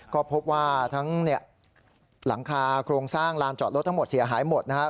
ก็พบว่าทั้งหลังคาโครงสร้างลานจอดรถทั้งหมดเสียหายหมดนะครับ